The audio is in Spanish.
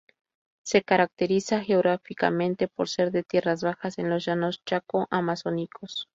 Se caracteriza geográficamente por ser de tierras bajas en los llanos chaco-amazónicos.